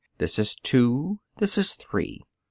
"This is two." "This is three."